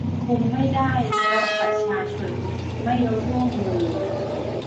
คุมไม่ได้ เพราะประชาชนไม่ร่วมมือ